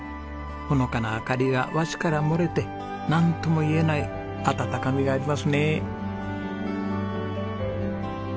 ほのかな明かりが和紙から漏れてなんとも言えない温かみがありますね。